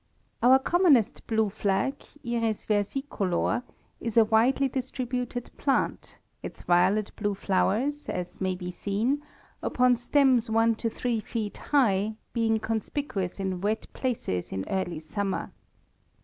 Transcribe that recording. Our commonest blue flag, Iris versicolor, is a widely distributed plant, its violet blue flowers, as may be seen, upon stems one to three feet high, being conspicuous in wet places in early summer.